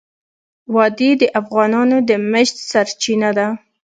وادي د افغانانو د معیشت سرچینه ده.